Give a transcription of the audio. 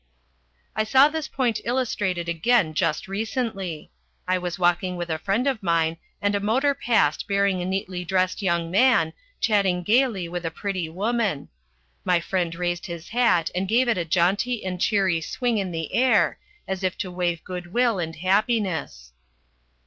I saw this point illustrated again just recently. I was walking with a friend of mine and a motor passed bearing a neatly dressed young man, chatting gaily with a pretty woman. My friend raised his hat and gave it a jaunty and cheery swing in the air as if to wave goodwill and happiness.